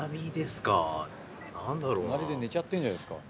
隣で寝ちゃってるじゃないですか。